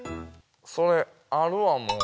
それあるわもう。